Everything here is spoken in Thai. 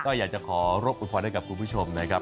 ก็อยากจะขอรบอุพรให้กับคุณผู้ชมนะครับ